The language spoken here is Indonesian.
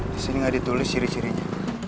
disini gak ditulis ciri cirinya